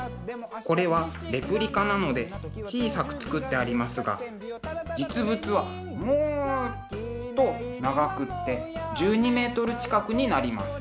これはレプリカなので小さく作ってありますが実物はもっと長くって１２メートル近くになります。